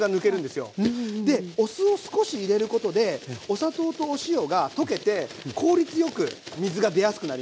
でお酢を少し入れることでお砂糖とお塩が溶けて効率よく水が出やすくなります。